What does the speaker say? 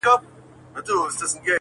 زاړه خلک چوپتيا غوره کوي،